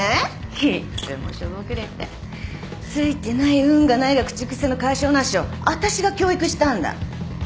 いっつもしょぼくれてついてない運がないが口癖のかい性なしをあたしが教育したんだ。